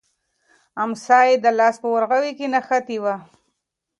امسا یې د لاس په ورغوي کې نښتې وه.